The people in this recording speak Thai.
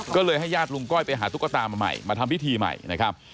ก็เลยให้ญาติลุงก้อยไปหาตุ๊กตามาใหม่มาทำพิธีใหม่นะครับ